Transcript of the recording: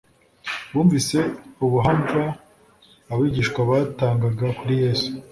Bumvise ubuhamva abigishwa batangaga kuri Yesu,